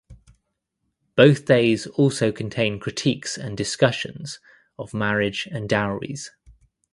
Both days also contain critiques and discussions of marriage and dowries.